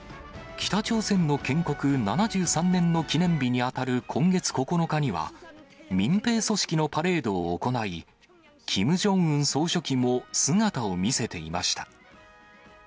北朝鮮の建国７３年の記念日に当たる今月９日には、民兵組織のパレードを行い、キム・ジョンウン総書記も姿を見せていました。